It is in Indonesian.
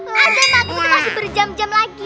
hazan maghrib masih berjam jam lagi